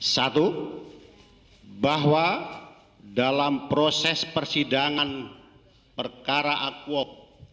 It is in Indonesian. satu bahwa dalam proses persidangan perkara akuok